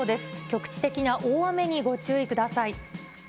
局地的な大雨にご注意ください。